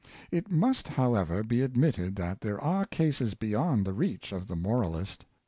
It must, however, be admitted that there are cases beyond the reach of the moralist.